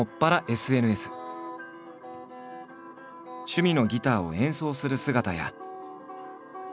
趣味のギターを演奏する姿や。